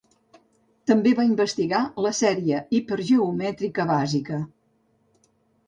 També va investigar la sèrie hipergeomètrica bàsica.